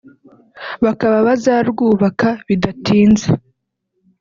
bakaba bazarwubaka bidatinze